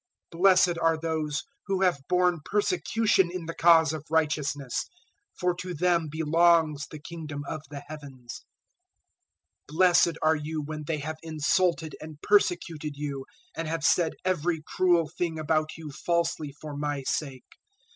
005:010 "Blessed are those who have borne persecution in the cause of Righteousness, for to them belongs the Kingdom of the Heavens. 005:011 "Blessed are you when they have insulted and persecuted you, and have said every cruel thing about you falsely for my sake.